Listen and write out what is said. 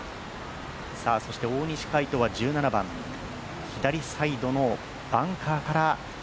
そして大西魁斗は１７番左サイドのバンカーから。